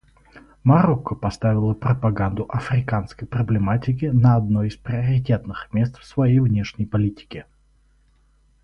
Марокко поставило пропаганду африканской проблематики на одно из приоритетных мест в своей внешней политике.